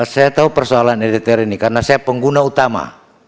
saya tahu persoalan editor ini karena saya pengguna utama